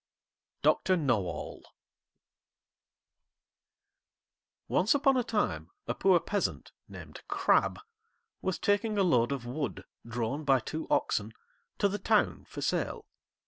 }] Doctor Know All Once upon a time a poor Peasant, named Crabb, was taking a load of wood drawn by two oxen to the town for sale.